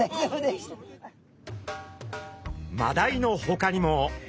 マダイのほかにも。